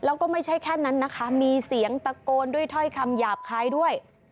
แล้วก็ไม่ใช่แค่นั้นนะคะมีเสียงตะโกนด้วยถ้อยคำหยาบคลายด้วย